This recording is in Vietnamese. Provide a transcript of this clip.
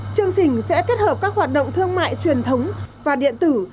chương trình sẽ kết hợp các hoạt động thương mại truyền thống và điện tử